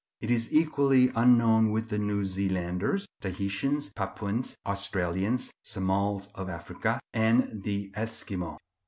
It is equally unknown with the New Zealanders, Tahitians, Papuans, Australians, Somals of Africa, and the Esquimaux.